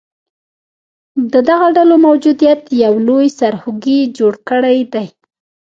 د دغه ډلو موجودیت یو لوی سرخوږې جوړ کړیدی